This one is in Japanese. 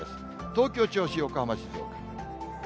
東京、銚子、横浜、静岡。